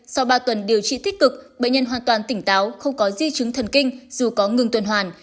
sau ba tuần điều trị tích cực bệnh nhân hoàn toàn tỉnh táo không có di chứng thần kinh dù có ngừng tuần hoàn